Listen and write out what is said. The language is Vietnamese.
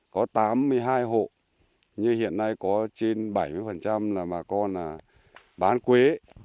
có tám mươi hai hộ như hiện nay có trên bảy mươi là bà con bán quế